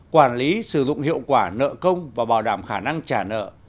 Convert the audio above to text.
quản lý sử dụng hiệu quả nợ công và bảo đảm khả năng trả nợ